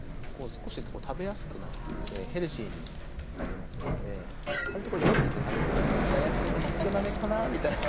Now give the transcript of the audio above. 少し食べやすくなってヘルシーになりますんで割と夜とか食べても罪悪感が少なめかなみたいな。